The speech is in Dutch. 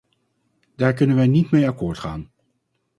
Daar kunnen wij niet mee akkoord gaan.